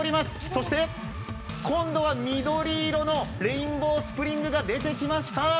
そして今度は緑色のレインボースプリングが出てきました。